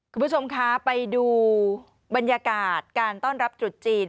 คุณผู้ชมคะไปดูบรรยากาศการต้อนรับตรุษจีน